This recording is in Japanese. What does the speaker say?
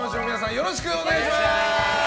よろしくお願いします！